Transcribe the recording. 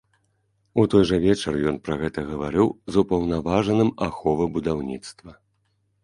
У той жа вечар ён пра гэта гаварыў з упаўнаважаным аховы будаўніцтва.